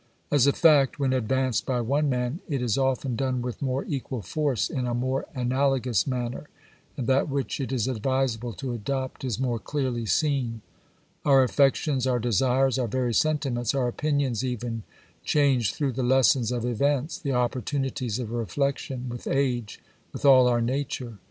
As a fact, when advanced by one man, it is often done with more equal force, in a more analogous manner, and that which it is advisable to adopt is more clearly seen. Our affections, our desires, our very sentiments, our opinions even, change through the lessons of events, the opportunities of reflection, with age, with all our nature.